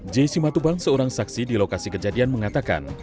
j simatubang seorang saksi di lokasi kejadian mengatakan